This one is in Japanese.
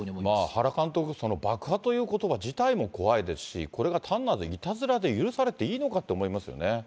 原監督、爆破ということば自体も怖いですし、これが単なるいたずらで許されていいのかって思いますよね。